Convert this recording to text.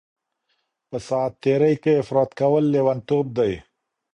په ساعت تیرۍ کي افراط کول لیونتوب دی.